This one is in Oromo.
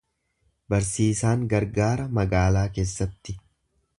Barsiisaan gargaara magaalaa keessatti.